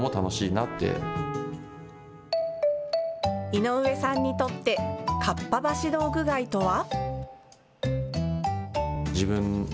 井上さんにとってかっぱ橋道具街とは。